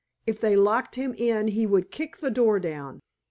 If they locked him in he would kick the door down.